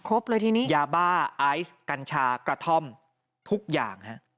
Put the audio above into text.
เลยทีนี้ยาบ้าไอซ์กัญชากระท่อมทุกอย่างฮะ